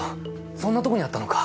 そんなとこにあったのか。